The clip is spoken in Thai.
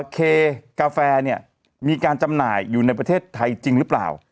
เคกาแฟเนี่ยมีการจำหน่ายอยู่ในประเทศไทยจริงหรือเปล่า